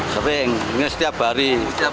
sering ini setiap hari